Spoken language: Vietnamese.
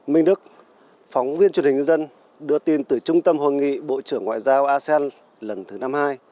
minh đức phóng viên truyền hình nhân dân đưa tin từ trung tâm hội nghị bộ trưởng ngoại giao asean lần thứ năm mươi hai